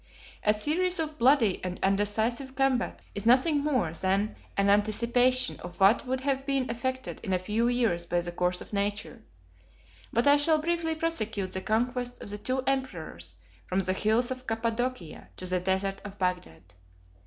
A series of bloody and undecisive combats is nothing more than an anticipation of what would have been effected in a few years by the course of nature; but I shall briefly prosecute the conquests of the two emperors from the hills of Cappadocia to the desert of Bagdad.